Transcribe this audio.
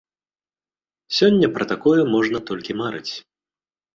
Сёння пра такое можна толькі марыць.